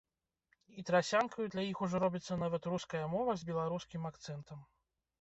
І трасянкаю для іх ужо робіцца нават руская мова з беларускім акцэнтам.